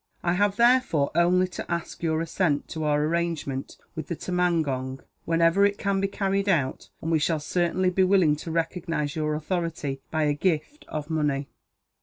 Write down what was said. I have, therefore, only to ask your assent to our arrangement with the tumangong, whenever it can be carried out; and we shall certainly be willing to recognize your authority, by a gift of money."